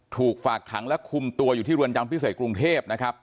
ถูกฝากขังและคลุมตัวอยู่ที่เรือนจำศาสน์พิเศษกรุงเทพนะครับ